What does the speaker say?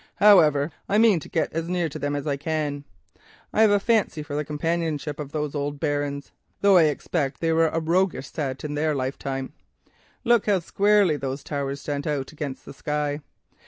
However, I mean to get as near to them as I can. I have a fancy for the companionship of those old Barons, though I expect that they were a roughish lot in their lifetimes. Look how squarely those towers stand out against the sky.